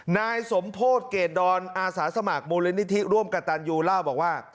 นายสมโพธิเกรดอนอาสาสมัครมูลนิธิร่วมกับตันยูเล่าบอกว่า